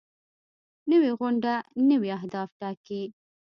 نوې غونډه نوي اهداف ټاکي